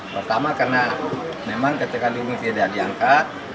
pertama karena memang ketika dulu tidak diangkat